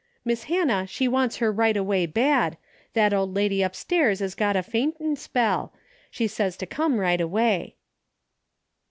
Miss Hannah, she wants her right away bad. That old lady upstairs's got a fainting spell. She says to come right away."